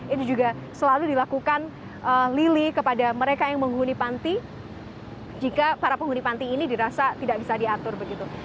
ini juga selalu dilakukan lili kepada mereka yang menghuni panti jika para penghuni panti ini dirasa tidak bisa diatur begitu